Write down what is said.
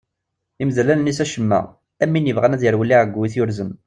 Imdel allen-is acemma, am win yebɣan ad yerwel i ɛeggu i t-yurzen.